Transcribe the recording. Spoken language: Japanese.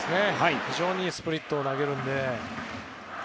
非常にいいスプリットを投げるので。